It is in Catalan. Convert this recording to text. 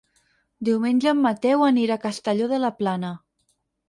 Diumenge en Mateu anirà a Castelló de la Plana.